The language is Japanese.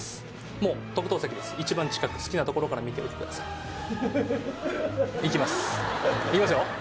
もう特等席です一番近く好きなところから見てくださいいきますいきますよ